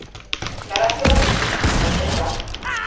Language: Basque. Garaje bat dirudi baina ez da.